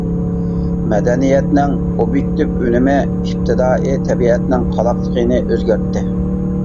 مەدەنىيەتنىڭ ئوبيېكتىپ ئۈنۈمى ئىپتىدائىي تەبىئەتنىڭ قالاقلىقىنى ئۆزگەرتتى.